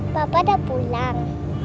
papa udah pulang